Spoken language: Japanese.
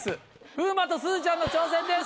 風磨とすずちゃんの挑戦です。